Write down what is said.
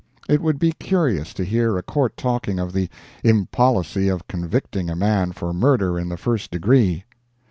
It would be curious to hear a Court talking of the "impolicy" of convicting a man for murder in the first degree.